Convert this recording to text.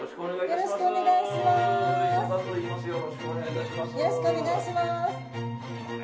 よろしくお願いします。